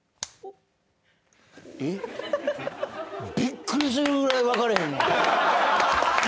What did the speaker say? えっ？びっくりするぐらい分かれへんのやけど。